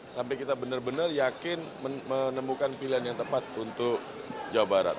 sampai kita benar benar yakin menemukan pilihan yang tepat untuk jawa barat